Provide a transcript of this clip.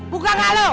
buka gak lu